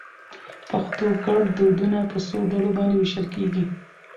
پښتو ګړدودونه په څو ډلو باندي ويشل کېږي؟